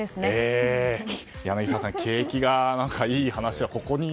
柳澤さん、景気がいい話がここに。